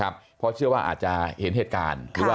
เพราะเชื่อว่าอาจจะเห็นเหตุการณ์